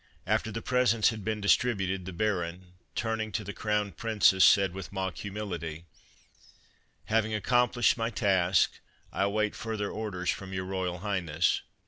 After the presents had been distributed the Baron, turning to the Crown Princess, said with mock humility :" Having accomplished my task, I await further orders from Your Royal Highness."